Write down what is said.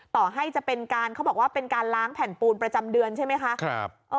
ต่อให้จะเป็นการเขาบอกว่าเป็นการล้างแผ่นปูนประจำเดือนใช่ไหมคะ